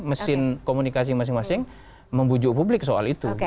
mesin komunikasi masing masing membujuk publik soal itu